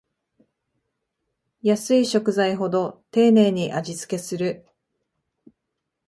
安い食材ほど丁寧に味つけする